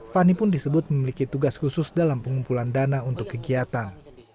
fani pun disebut memiliki tugas khusus dalam pengumpulan dana untuk kegiatan